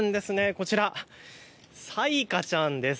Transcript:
こちら、彩夏ちゃんです。